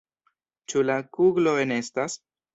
Ĉu la kuglo enestas?